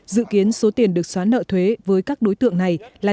dự kiến số tiền được xóa nợ thuế với các đối tượng này là